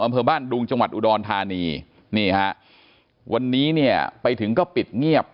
อำเภอบ้านดุงจังหวัดอุดรธานีนี่ฮะวันนี้เนี่ยไปถึงก็ปิดเงียบ